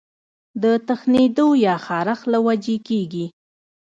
د تښنېدو يا خارښ له وجې کيږي